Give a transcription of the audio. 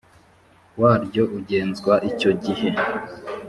waryo ugenzwa icyo gihe